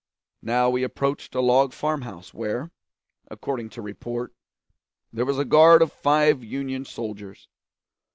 Now we approached a log farm house where, according to report, there was a guard of five Union soldiers.